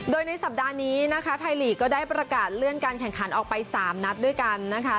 โดยในสัปดาห์นี้นะคะไทยลีกก็ได้ประกาศเลื่อนการแข่งขันออกไป๓นัดด้วยกันนะคะ